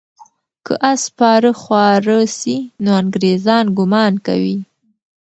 که آس سپاره خواره سي، نو انګریزان ګمان کوي.